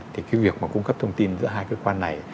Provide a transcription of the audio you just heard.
thì cái việc mà cung cấp thông tin giữa hai cơ quan này